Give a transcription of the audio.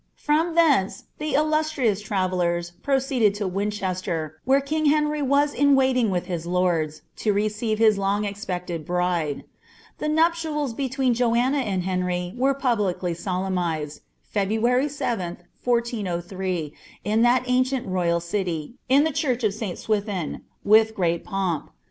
From ihwN the illustrious travellers proceeded to Winchester, where king Hmj was in waiting with his lords, lo receive his long expected bride. 1)t nuptials between Joanna and Henry were publicly solemniaed, FobnaiT 7lh, 1403. in that ancient royaX city, in the church of St. Swithrn, witt great pomp.'